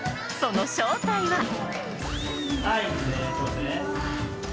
その正体は。